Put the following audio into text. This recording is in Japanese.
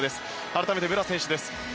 改めて、武良選手です。